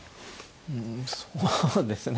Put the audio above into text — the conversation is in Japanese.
うんそうですね